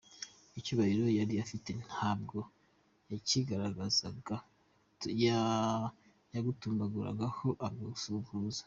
Icyubahiro yari afite ntabwo yakigaragazaga yagutambukagaho akagusuhuza.